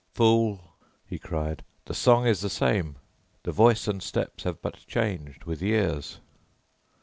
"Fool!" he cried, "the song is the same, the voice and steps have but changed with years!"